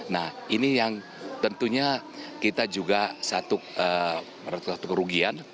nah ini yang tentunya kita juga satu kerugian